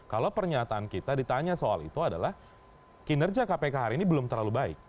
kalau pernyataan kita ditanya soal itu adalah kinerja kpk hari ini belum terlalu baik